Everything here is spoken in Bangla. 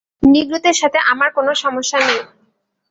নিগ্রোদের সাথে আমার কেনো সমস্যা নেই।